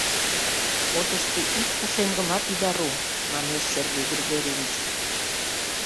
Отышто ик пушеҥгымат ида ру!» — манеш Сергей Григорьевич.